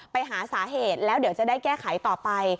ไปหาสาเหตุแล้วเดี๋ยวจะได้แก้ไขต่อไป